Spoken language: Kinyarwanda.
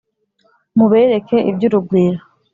mubereke iby’urugwiro